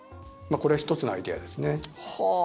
これは１つのアイデアですね。